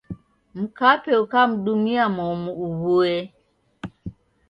Mkape ukamdumia momu uw'uye.